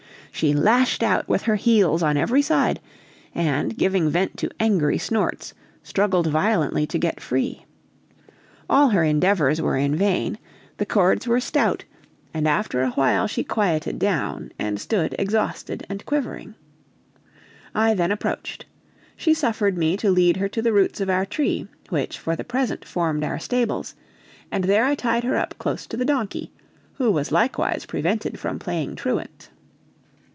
She lashed out with her heels on every side; and, giving vent to angry snorts, struggled violently to get free. All her endeavors were vain: the cords were stout, and after a while she quieted down and stood exhausted and quivering. I then approached: she suffered me to lead her to the roots of our tree, which for the present formed our stables, and there I tied her up close to the donkey, who was likewise prevented from playing truant.